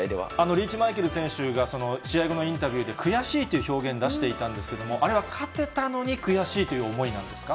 リーチマイケル選手が、試合後のインタビューで、悔しいという表現出していたんですけれども、あれは勝てたのに悔しいという思いなんですか？